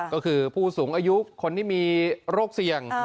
ก็คือผู้สูงอายุคนที่มีโรคเสี่ยง